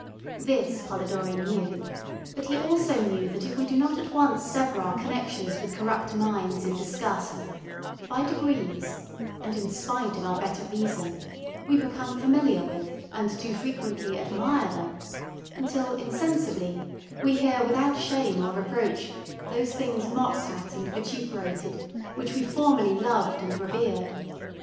This Polidori knew; but he also knew that if we do not at once sever our connections with corrupt minds in disgust, by degrees, and in spite of our better reason, we become familiar with and too frequently admire them, until, insensibly, we hear without shame or reproach those things mocked at and vituperated which we formerly loved and revered.